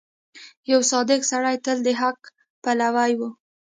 • یو صادق سړی تل د حق پلوی وي.